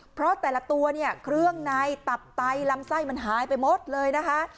เพราะแต่ละตัวเนี่ยเครื่องในตับไตลำไส้มันหายไปหมดเลยนะคะ